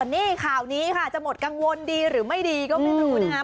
นี่ข่าวนี้ค่ะจะหมดกังวลดีหรือไม่ดีก็ไม่รู้นะคะ